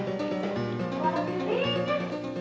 selamat malam bu